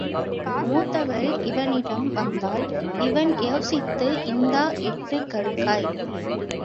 மூத்தவள் இவனிடம் வந்தாள்.இவன் யோசித்து, இந்தா, எட்டுக் கடுக்காய்.